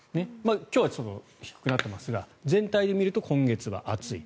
今日はちょっと低くなっていますが全体で見ると今月は暑い。